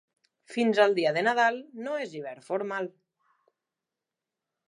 Fins al dia de Nadal no és hivern formal.